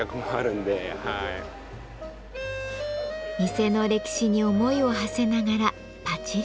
店の歴史に思いをはせながらパチり。